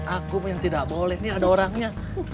aku yang tidak boleh nih ada orangnya